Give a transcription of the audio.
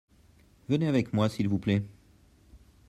venez avec moi s'il vous plait .